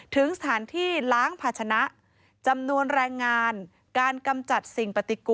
ถึงสถานที่ล้างภาชนะจำนวนแรงงานการกำจัดสิ่งปฏิกุ